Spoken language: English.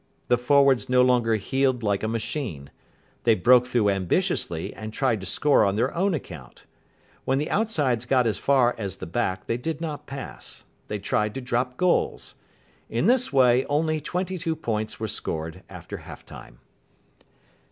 The forwards no longer heeled like a machine. They broke through ambitiously, and tried to score on their own account. When the outsides got as far as the back, they did not pass. They tried to drop goals. In this way only twenty two points were scored after half time.